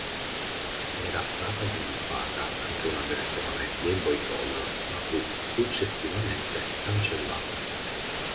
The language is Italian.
Era stata sviluppata anche una versione Game Boy Color, ma fu successivamente cancellata.